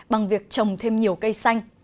bằng việc trồng thêm nước